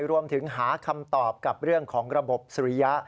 รวมถึงหาคำตอบกับเรื่องของระบบสุริยะ